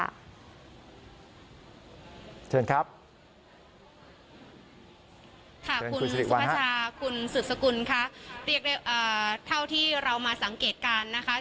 คุณสุภาชาคุณสุศกุลคะเรียกได้เท่าที่เรามาสังเกตการณ์นะคะ